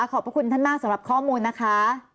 ขอบพระคุณท่านมากสำหรับข้อมูลนะคะ